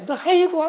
nó hay quá